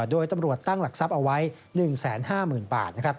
โดยตำรวจตั้งหลักทรัพย์เอาไว้๑๕๐๐๐บาท